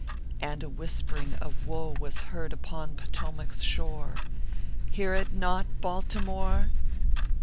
And a whispering of woe was heard upon Potomac s shore Hear it not, BALTIMORE